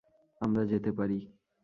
আমরা যেতে পারি।